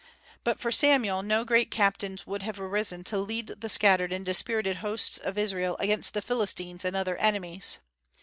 But for Samuel no great captains would have arisen to lead the scattered and dispirited hosts of Israel against the Philistines and other enemies.